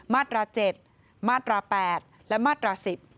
มาตรา๗มาตรา๘และมาตรา๑๐